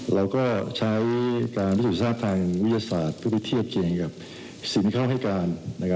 เราก็ใช้การศึกษุนฝั่งทางวิทยาศาสตร์เพื่อที่เทียบเจียงกับศิลป์เข้าให้การ